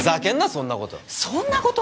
そんなことそんなこと？